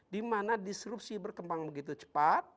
dimana disrupsi berkembang begitu cepat